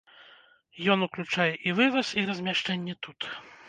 Ён уключае і вываз і размяшчэнне тут.